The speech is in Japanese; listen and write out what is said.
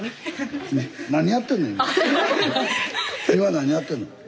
何やってんの今。